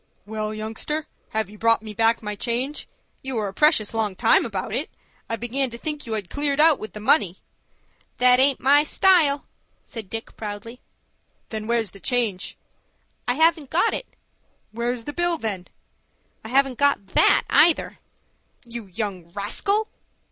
"Well, youngster, have you brought back my change? You were a precious long time about it. I began to think you had cleared out with the money." "That aint my style," said Dick, proudly. "Then where's the change?" "I haven't got it." "Where's the bill then?" "I haven't got that either." "You young rascal!"